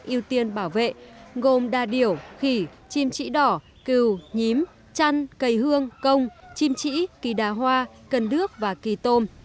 ưu tiên bảo vệ gồm đà điểu khỉ chim trĩ đỏ cừu nhím chăn cây hương công chim trĩ kỳ đà hoa cần đước và kỳ tôm